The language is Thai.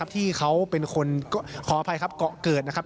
ที่เขาเป็นคนขออภัยครับเกาะเกิดนะครับ